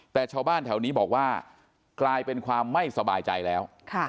แต่ชาวบ้านแถวนี้บอกว่ากลายเป็นความไม่สบายใจแล้ว